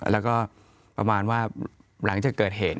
แล้วก็ประมาณว่าหลังจากเกิดเหตุ